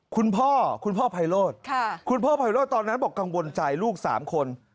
คุณพ่อคุณพ่อไพโลชฮ่ะตอนนั้นบอกกังวลใจลูกสามคน